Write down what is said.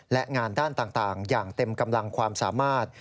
และงานด้านต่างอย่างเต็มกำลังความสามารถ